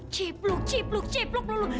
cipluk cipluk cipluk lu